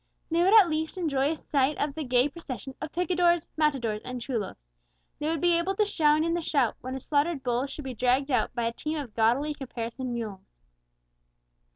They would at least enjoy a sight of the gay procession of picadors, matadors, and chulos; they would be able to join in the shout when a slaughtered bull should be dragged out by a team of gaudily caparisoned mules.